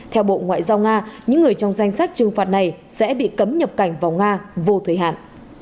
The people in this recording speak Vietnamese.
theo bộ ngoại giao nga những người trong danh sách trừng phạt này sẽ bị cấm nhập cảnh vào nga vô thời hạn